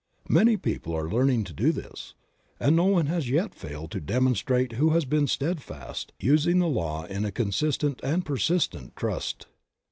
Many people are learning to do this, and no one has yet failed to demonstrate who has been steadfast, using the law in a consistent and persistent trust.